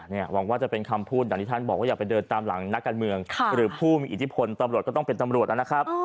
หวังว่าจะเป็นคำพูดอย่างที่ท่านบอกว่าอย่าไปเดินตามหลังนักการเมืองหรือผู้มีอิทธิพลตำรวจก็ต้องเป็นตำรวจนะครับ